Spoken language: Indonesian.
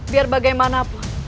biar bagaimana pun